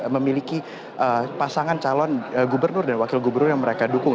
memiliki pasangan calon gubernur dan wakil gubernur yang mereka dukung